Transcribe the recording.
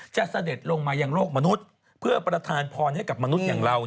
เสด็จลงมายังโลกมนุษย์เพื่อประทานพรให้กับมนุษย์อย่างเรา